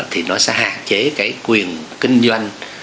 thì nó sẽ hạn chế cái quyền kinh doanh